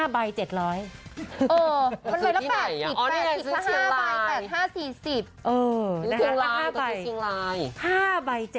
๕ใบ๗๐๐คุณผู้ชมเออมันเลยละ๘๕ใบ๘๕๔๐คุณผู้ชม